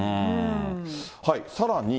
さらに。